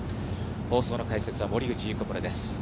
放送の解説は森口祐子プロです。